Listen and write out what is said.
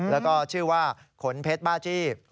แล้วก็ชื่อว่าขนเพชรบ้าจี้